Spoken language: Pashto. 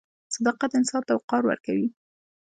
• صداقت انسان ته وقار ورکوي.